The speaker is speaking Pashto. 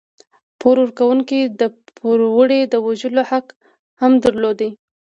پور ورکوونکو د پوروړي د وژلو حق هم درلود.